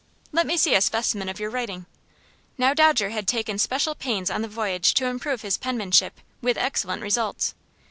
"Let me see a specimen of your writing." Now Dodger had taken special pains on the voyage to improve his penmanship, with excellent results.